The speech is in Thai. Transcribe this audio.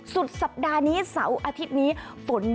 สุดสัปดาห์นี้เสาร์อาทิตย์นี้ฝน